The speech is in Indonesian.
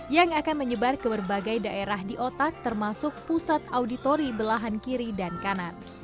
yang akan menyebar ke berbagai daerah di otak termasuk pusat auditori belahan kiri dan kanan